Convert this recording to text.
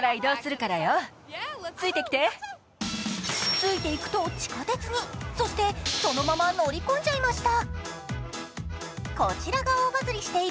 ついていくと地下鉄にそしてそのまま乗り込んじゃいました。